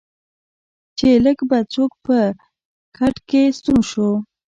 چې لږ به څوک په کټ کې ستون شو.